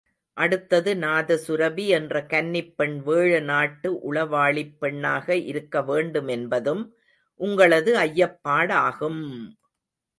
அடுத்தது, நாதசுரபி என்ற கன்னிப் பெண் வேழநாட்டு உளவாளிப் பெண்ணாக இருக்கவேண்டுமென்பதும் உங்களது ஐயப்படாகும்!...